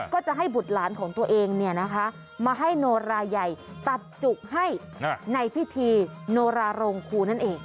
ก็จะให้บุตรหลานของตัวเองมาให้โนราใหญ่ตัดจุกให้ในพิธีโนราโรงครูนั่นเอง